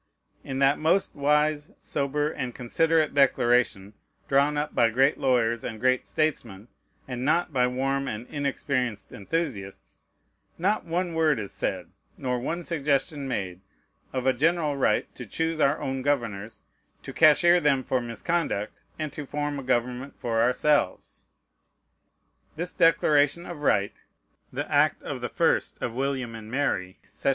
In that most wise, sober, and considerate declaration, drawn up by great lawyers and great statesmen, and not by warm and inexperienced enthusiasts, not one word is said, nor one suggestion made, of a general right "to choose our own governors, to cashier them for misconduct, and to form a government for ourselves." This Declaration of Right (the act of the 1st of William and Mary, sess.